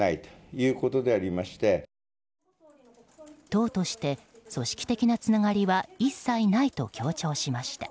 党として組織的なつながりは一切ないと強調しました。